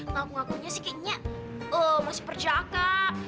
ngaku ngakunya sih kayaknya masih berjaga